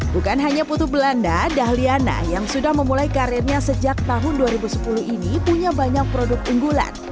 bukan hanya putu belanda dahliana yang sudah memulai karirnya sejak tahun dua ribu sepuluh ini punya banyak produk unggulan